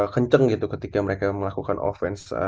kenceng gitu ketika mereka melakukan offense